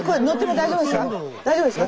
大丈夫ですか？